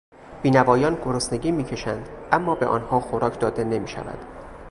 بینوایان گرسنگی میکشند اما به آنها خوراک داده نمیشود.